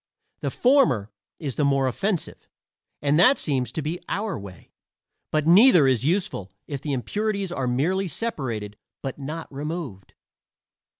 The former is the more offensive, and that seems to be our way; but neither is useful if the impurities are merely separated but not removed.